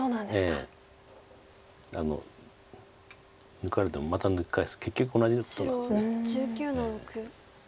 抜かれてもまた抜き返すと結局同じことなんです。